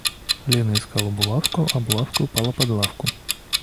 Лена искала булавку, а булавка упала под лавку.